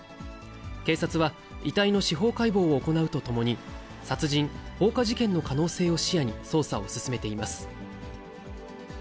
警察は、遺体の司法解剖を行うとともに、殺人、放火事件の可能性を視野に、捜査を進めています。